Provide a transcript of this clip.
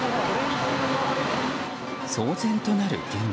騒然となる現場。